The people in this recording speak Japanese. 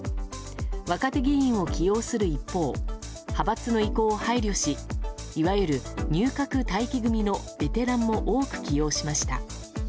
若手議員を起用する一方派閥の意向を配慮しいわゆる入閣待機組のベテランも多く起用しました。